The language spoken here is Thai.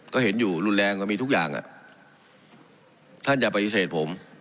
ก็เห็นอยู่รุนแรงก็มีทุกอย่างท่านอย่าปฏิเสธผม